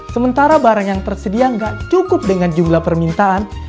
sementara barang yang tersedia nggak cukup dengan jumlah permintaan